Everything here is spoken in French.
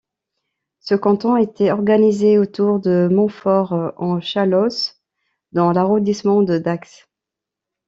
Ce canton était organisé autour de Montfort-en-Chalosse dans l'arrondissement de Dax.